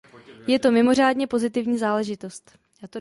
Je to mimořádně pozitivní záležitost.